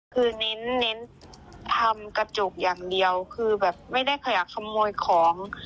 คือเน้นทำกระจกอย่างเดียวคือแบบไม่ได้ขยะขโมยของ